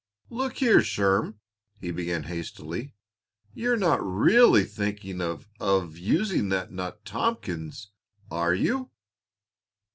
"Look here, Sherm," he began hastily, "you're not really thinking of of using that nut Tompkins, are you?"